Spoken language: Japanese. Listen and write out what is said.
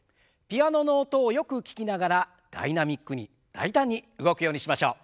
ピアノの音をよく聞きながらダイナミックに大胆に動くようにしましょう。